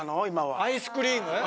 今はアイスクリーム？